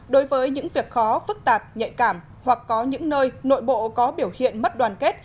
đối với những việc khó phức tạp nhạy cảm hoặc có những nơi nội bộ có biểu hiện mất đoàn kết